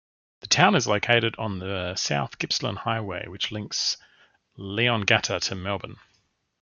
The town is located on the South Gippsland Highway which links Leongatha to Melbourne.